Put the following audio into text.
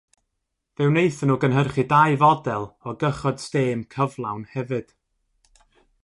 Fe wnaethon nhw gynhyrchu dau fodel o gychod stêm cyflawn hefyd.